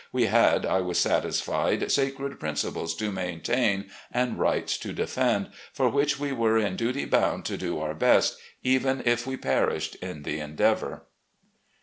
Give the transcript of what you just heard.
We had, I was satisfied, sacred principles to maintain and rights to defend, for which we were in duty bovmd to do our best, even if we perished in the endeavour."